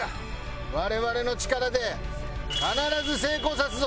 我々の力で必ず成功さすぞ！